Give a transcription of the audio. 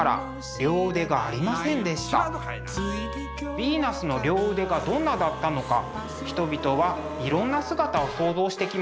ヴィーナスの両腕がどんなだったのか人々はいろんな姿を想像してきました。